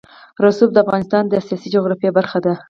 رسوب د افغانستان د سیاسي جغرافیه برخه ده.